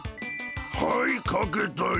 はいかけたよ。